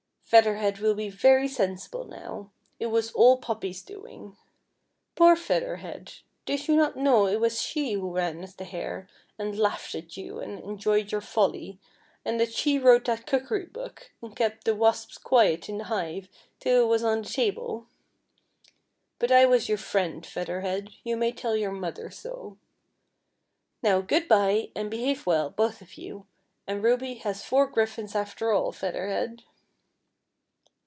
" Feather Head will be very sensible now. It was all Poppy's doing. Poor Feather Head, did you not know it was she who ran as the Hare, and laughed at you, and enjoyed \ our folly, and that she wrote that cookery book, and kept the wasps quiet in the hive till it was on the table ? But I was your friend, Feather Head, } ou may tell your mother so. Now, good bye, and behave well, both of you, and Ruby has four griffins after all, Feather Head."